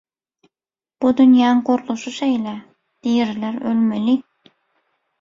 Bu dünýäň gurluşy şeýle – diriler ölmeli.